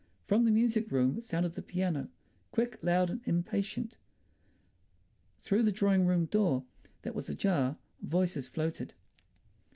From the music room sounded the piano, quick, loud and impatient. Through the drawing room door that was ajar voices floated.